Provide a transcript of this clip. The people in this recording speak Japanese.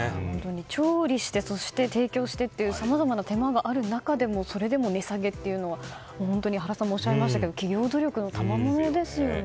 調理してそして提供してというさまざまな手間がある中でもそれでも値下げというのは原さんもおっしゃいましたが企業努力のたまものですよね。